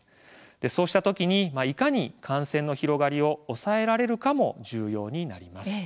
そうした時にいかに感染の広がりを抑えられるかも重要になります。